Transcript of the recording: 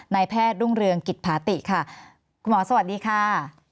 แพทย์รุ่งเรืองกิจผาติค่ะคุณหมอสวัสดีค่ะ